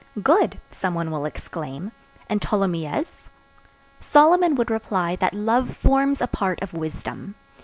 Good! some one will exclaim; and Tholomyès? Solomon would reply that love forms a part of wisdom.